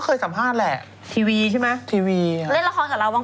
เราต้องมีเราต้องมีตัวทะทะทายกาทำงาน